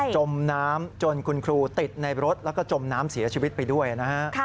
จมน้ำจนคุณครูติดในรถแล้วก็จมน้ำเสียชีวิตไปด้วยนะฮะ